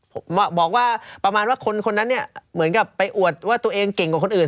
ผมบอกว่าประมาณว่าคนคนนั้นเนี่ยเหมือนกับไปอวดว่าตัวเองเก่งกว่าคนอื่น